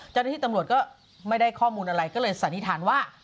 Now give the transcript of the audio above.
เจ้าหน้าที่ตำรวจก็ไม่ได้ข้อมูลอะไรก็เลยสันนิษฐานว่า